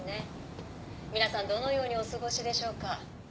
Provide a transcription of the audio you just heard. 皆さんどのようにお過ごしでしょうか？